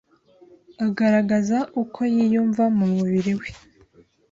agaragaza uko yiyumva mumubiri we